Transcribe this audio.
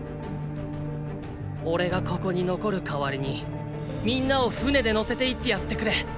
俺がここに残るかわりに皆を船で乗せていってやってくれ！